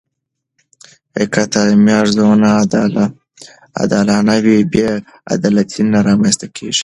که تعلیمي ارزونه عادلانه وي، بې عدالتي نه رامنځته کېږي.